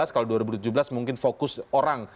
kalau dua ribu tujuh belas mungkin fokus orang